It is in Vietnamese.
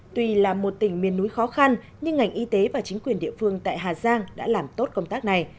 tuy là một tỉnh miền núi khó khăn nhưng ngành y tế và chính quyền địa phương tại hà giang đã làm tốt công tác này